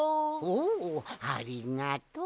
おおありがとう！